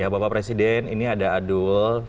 ya bapak presiden ini ada adult